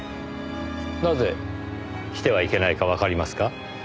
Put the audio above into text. なぜしてはいけないかわかりますか？